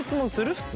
普通。